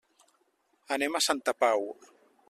Anem a Santa Pau.